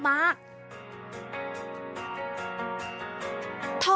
ท้องเริ่มร้องขอมงหน้าไปฝากท้อง